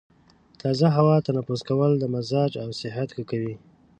تازه هوا تنفس کول د مزاج او صحت ښه کوي.